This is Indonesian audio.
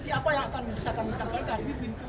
kemudian alat bukti apa yang bisa kami sampaikan